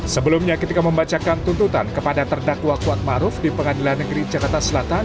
sebelumnya ketika membacakan tuntutan kepada terdakwa kuatmaruf di pengadilan negeri jakarta selatan